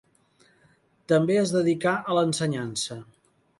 També es dedicà, a l'ensenyança.